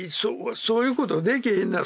そういうことできひんな